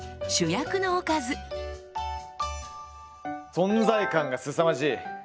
存在感がすさまじい！